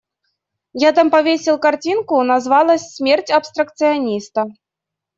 Я там повесил картинку, называлась «Смерть абстракциониста».